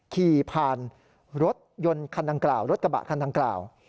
ขี่ผ่านรถยนต์คันดังกล่าวรถกระบะคันดังกล่าว